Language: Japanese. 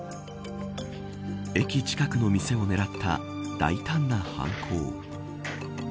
駅近くの店を狙った大胆な犯行。